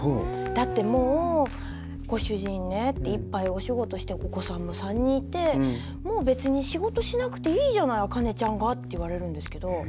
「だってもうご主人ねいっぱいお仕事してお子さんも３人いてもう別に仕事しなくていいじゃないあかねちゃんが」って言われるんですけど。